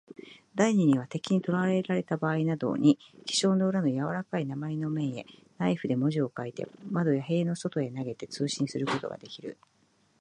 第二には、敵にとらえられたばあいなどに、記章の裏のやわらかい鉛の面へ、ナイフで文字を書いて、窓や塀の外へ投げて、通信することができる。